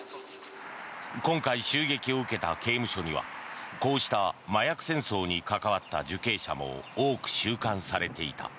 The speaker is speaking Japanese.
今回、襲撃を受けた刑務所にはこうした麻薬戦争に関わった受刑者も多く収監されていた。